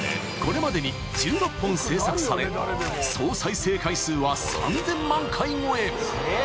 ［これまでに１６本制作され総再生回数は３，０００万回超え］